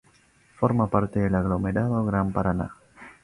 Forma parte del aglomerado Gran Paraná.